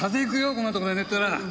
こんなとこで寝てたら。